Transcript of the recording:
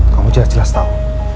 kamu jangan jelas tau